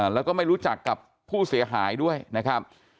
แล้วก็ไม่รู้จักกับผู้เสียหายด้วยนะครับ